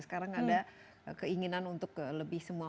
sekarang ada keinginan untuk lebih semua